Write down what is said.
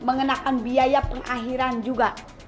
mengenakan biaya pengakhiran juga